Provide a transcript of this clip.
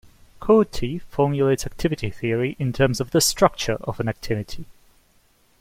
Kuutti formulates activity theory in terms of the structure of an activity.